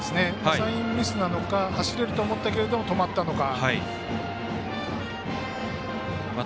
サインミスなのか走れると思ったけど止まったのか。